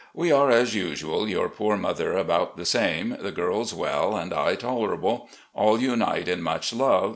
We are as usual, your poor mother about the same, the girls well, and I tolerable. All unite in much love.